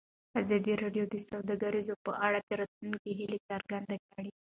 ازادي راډیو د سوداګري په اړه د راتلونکي هیلې څرګندې کړې.